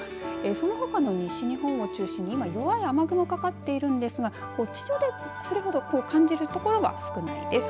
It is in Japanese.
そのほかの西日本を中心に今弱い雨雲がかかっているんですが地上でそれほど感じる所が少ないです。